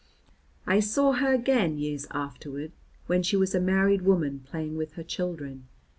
I saw her again, years afterward, when she was a married woman playing with her children.